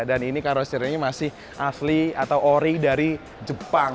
dan ini karoseri ini masih asli atau ori dari jepang